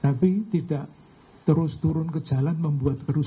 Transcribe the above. tapi tidak terus turun ke jalan membuat perut